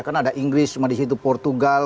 karena ada inggris cuma di situ portugal